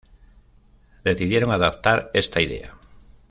Decidieron adaptar esta idea.